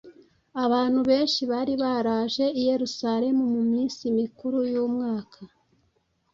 abantu benshi bari baraje i Yerusalemu mu minsi mikuru y’umwaka,